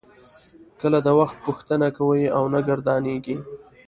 کله د وخت پوښتنه کوي او نه ګردانیږي.